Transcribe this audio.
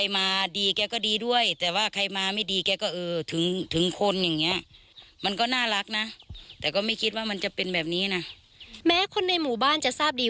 แม้คนในหมู่บ้านจะทราบดี